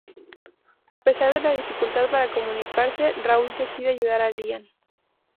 A pesar de la dificultad para comunicarse, Raúl decide ayudar a Lian.